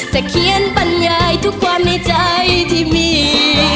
จะเขียนปัญญาทุกความในใจที่มี